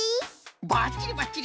ばっちりばっちり！